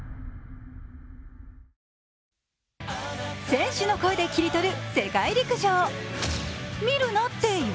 選手の声で切り取る世界陸上。